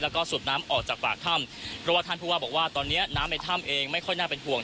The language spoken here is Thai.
แล้วก็สูบน้ำออกจากปากถ้ำเพราะว่าท่านผู้ว่าบอกว่าตอนนี้น้ำในถ้ำเองไม่ค่อยน่าเป็นห่วง